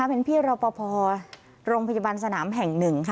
เป็นพี่รปภโรงพยาบาลสนามแห่ง๑